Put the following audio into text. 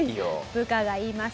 部下が言います。